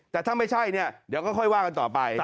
แต่ถ้าไม่ใช่เนี่ยเดี๋ยวก็ค่อยว่ากันต่อไป